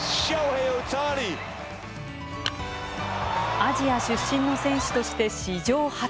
アジア出身の選手として史上初。